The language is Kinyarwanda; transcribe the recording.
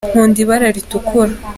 nkunda ibara ritukura